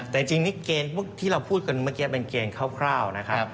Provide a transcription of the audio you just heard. แต่จริงนี่เกณฑ์พวกที่เราพูดกันเมื่อกี้เป็นเกมคร่าวนะครับ